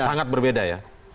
sangat berbeda ya